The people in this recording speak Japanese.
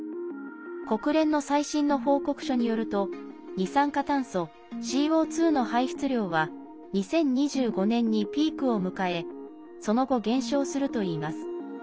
国連の最新の報告書によると二酸化炭素＝ＣＯ２の排出量は２０２５年にピークを迎えその後、減少するといいます。